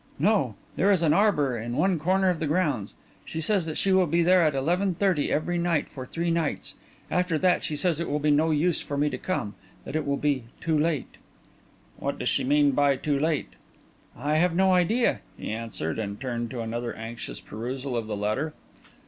"No; there is an arbour in one corner of the grounds. She says that she will be there at eleven thirty every night for three nights. After that, she says it will be no use for me to come that it will be too late." "What does she mean by 'too late'?" "I have no idea," he answered, and turned to another anxious perusal of the letter.